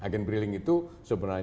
agens drilling itu sebenarnya kita